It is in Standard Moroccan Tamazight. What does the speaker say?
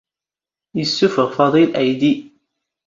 ⵉⵙⵙⵓⴼⵖ ⴼⴰⴹⵉⵍ ⴰⵢⴷⵉ.